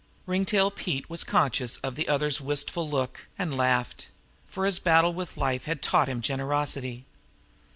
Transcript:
Ringtail Pete was conscious of the other's wistful look, and laughed; for his battle with life had taught him generosity.